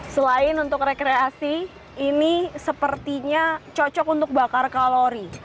selain untuk rekreasi ini sepertinya cocok untuk bakar kalori